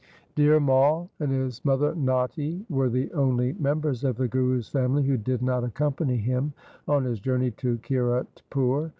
Dhir Mai and his mother Natti were the only members of the Guru's family who did not accompany him on his journey to Kiratpur.